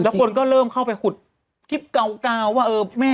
และคนก็เริ่มเข้าไปหุดคลิปเกา๊วเก้าว่าเออแม่